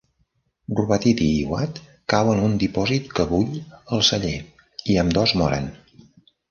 Rubbatiti i Watt cauen a un dipòsit que bull al celler, i ambdós moren.